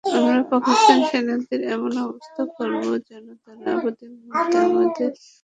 আমরা পাকিস্তানি সেনাদের এমন অবস্থা করব, যেন তারা প্রতিমুহূর্তে আমাদের আতঙ্কে ভোগে।